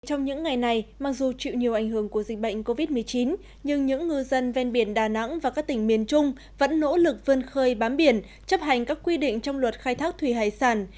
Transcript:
trong những ngày này mặc dù chịu nhiều ảnh hưởng của dịch bệnh covid một mươi chín nhưng những ngư dân ven biển đà nẵng và các tỉnh miền trung vẫn nỗ lực vươn khơi bám biển chấp hành các quy định trong luật khai thác thủy hải sản